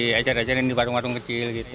kecer cerin di warung warung kecil gitu